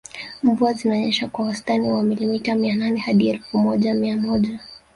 Mvua zinanyesha kwa wastani wa milimita mia nane hadi elfu moja mia moja